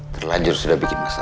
terlanjur sudah bikin masalah